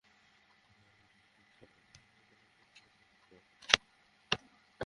বিশ্বকাপের আগে এবং বিশ্বকাপ শুরুর পরও অনেকে দক্ষিণ আফ্রিকার সম্ভাবনার কথাও বলেছে।